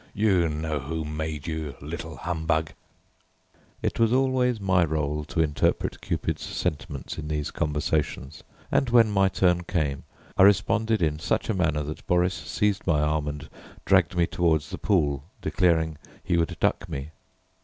You know who made you, little humbug!" It was always my rôle to interpret Cupid's sentiments in these conversations, and when my turn came I responded in such a manner, that Boris seized my arm and dragged me toward the pool, declaring he would duck me.